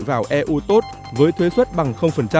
vào eu tốt với thuế xuất bằng